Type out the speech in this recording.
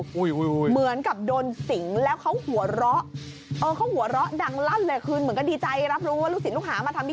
เหมือนกับโดนสิงแล้วเขาหัวเงาะ